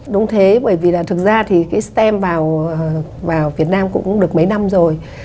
đúng thế bởi vì là thực ra thì cái stem vào việt nam cũng được mấy năm rồi